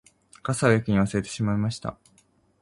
傘を駅に忘れてしまいました